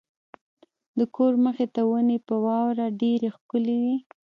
د کور مخې ته ونې په واورو ډېرې ښکلې وې.